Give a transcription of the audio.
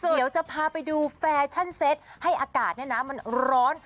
เดี๋ยวจะพาไปดูแฟชั่นเซ็ตให้อากาศมันร้อน